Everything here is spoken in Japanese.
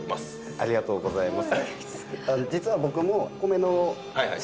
ありがとうございます。